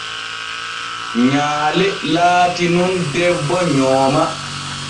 Nyaale latii nun debbo nyooma.